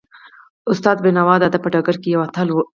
استاد بینوا د ادب په ډګر کې یو اتل و.